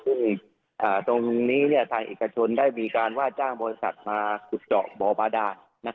ซึ่งตรงนี้ทางเอกชนได้มีการว่าจ้างบริษัทมาขุดเจาะบ่อบาดาน